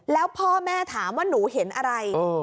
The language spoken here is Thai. แล้วพ่อแม่ถามว่าหนูเห็นอะไร